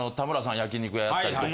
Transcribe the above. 焼肉屋やったりとか。